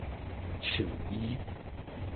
薔薇